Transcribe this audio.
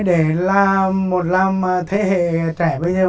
để làm một làm thế hệ trẻ